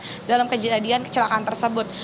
yang dalam kejadian kecelakaan tersebut